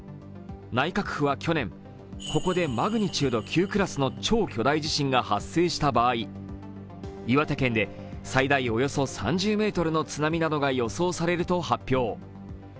内閣府は去年、ここでマグニチュード９クラスの超巨大地震が発生した場合、岩手県で最大およそ３０ｍの津波などが予想されると発表。